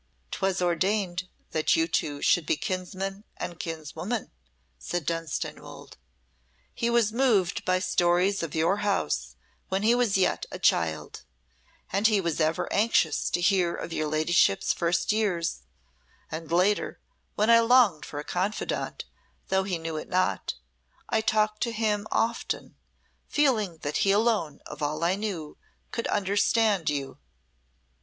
"'Twas ordained that you two should be kinsman and kinswoman," said Dunstanwolde. "He was moved by stories of your house when he was yet a child, and he was ever anxious to hear of your ladyship's first years, and later, when I longed for a confidant, though he knew it not, I talked to him often, feeling that he alone of all I knew could understand you."